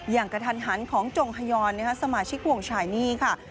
อย่างกระทันหันของจงฮยรนฮ์สมาชิกวงใชนี่น่ะค่ะ